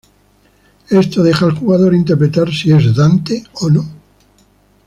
Esto deja al jugador interpretar si es Dante o no.